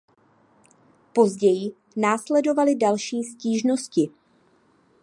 Později následovaly další stížnosti.